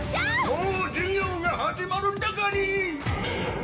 もう授業が始まるんだガニ！